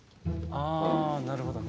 ああなるほどね。